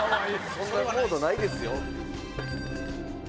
そういうモードないですよ。